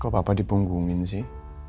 kok papa di punggungin sih